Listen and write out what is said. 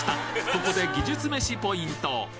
ここで技術めしポイント